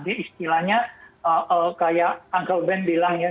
di istilahnya kayak uncle ben bilang ya